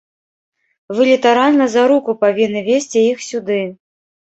Вы літаральна за руку павінны весці іх сюды.